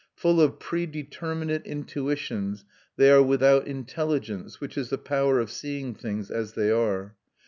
Full of predeterminate intuitions, they are without intelligence, which is the power of seeing things as they are.